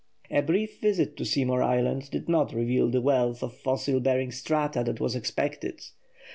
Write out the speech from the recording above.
A brief visit to Seymour Island did not reveal the wealth of fossil bearing strata that was expected.